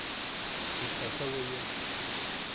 ¿Jitasa weye?